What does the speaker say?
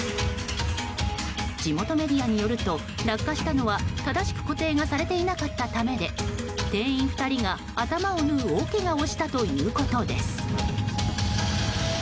地元メディアによると落下したのは正しく固定がされていなかったためで店員２人が頭を縫う大けがをしたということです。